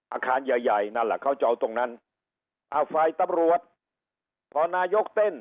อาคารใหญ่ใหญ่นั่นแหละเขาจะเอาตรงนั้นอ้าวฝ่ายตำรวจพอนายกเต้น